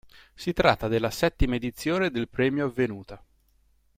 Si tratta della settima edizione del premio avvenuta.